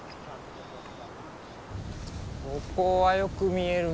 ここはよく見えるな。